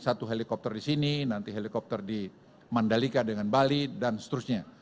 satu helikopter di sini nanti helikopter di mandalika dengan bali dan seterusnya